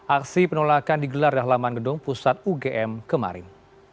aksi penolakan digelar di halaman gedung pusat ugm kemarin